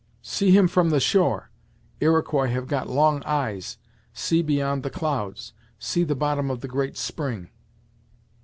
"See him from the shore. Iroquois have got long eyes see beyond the clouds see the bottom of the Great Spring!"